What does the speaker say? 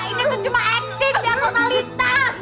ini cuma acting ya totalitas